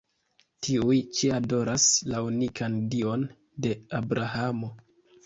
Tiuj ĉi adoras la unikan Dion de Abrahamo.